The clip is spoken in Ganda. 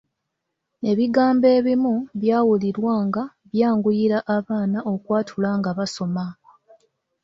Ebigambo ebimu byawulirwa nga byanguyira abaana okwatula nga basoma.